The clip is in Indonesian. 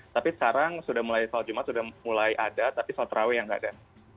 tapi sekarang sudah mulai sholat jumat sudah mulai ada tapi sholat raweh yang nggak ada